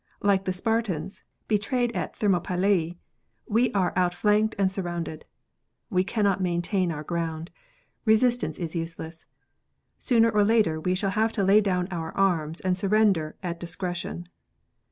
Like the Spartans, betrayed at Thermopylae, we are out flanked and surrounded. We cannot maintain our ground. Resistance is useless. Sooner or later we shall have to lay down our arms, and surrender at discretion.